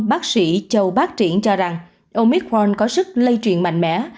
bác sĩ châu bác triển cho rằng ông mick warren có sức lây truyền mạnh mẽ